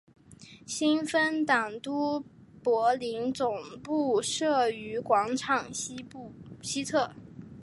新芬党都柏林总部设于广场西侧。